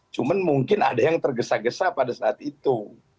cuma mungkin ada yang tergesa gesa pada saat itu